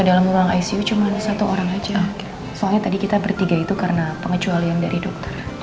dalam ruang icu cuma satu orang aja soalnya tadi kita bertiga itu karena pengecualian dari dokter